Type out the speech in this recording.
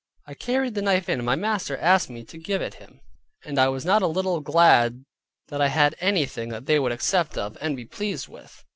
I carried the knife in, and my master asked me to give it him, and I was not a little glad that I had anything that they would accept of, and be pleased with.